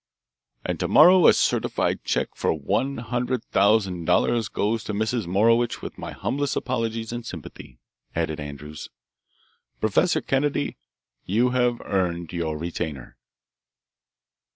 "And to morrow a certified check for one hundred thousand dollars goes to Mrs. Morowitch with my humblest apologies and sympathy," added Andrews. "Professor Kennedy, you have earned your retainer."